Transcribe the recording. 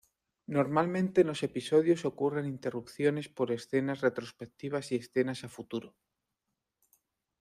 Normalmente en los episodios ocurren interrupciones por escenas retrospectivas y escenas a futuro.